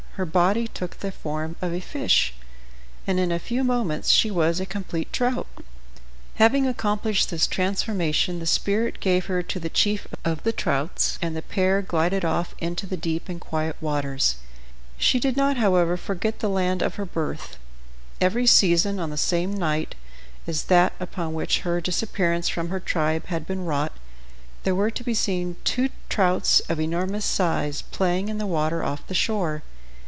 Her body took the form of a fish, and in a few moments she was a complete trout. Having accomplished this transformation the spirit gave her to the chief of the trouts, and the pair glided off into the deep and quiet waters. She did not, however, forget the land of her birth. Every season, on the same night as that upon which her disappearance from her tribe had been wrought, there were to be seen two trouts of enormous size playing in the water off the shore.